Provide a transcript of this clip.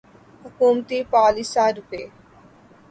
حکومتی پالیسیاں روپے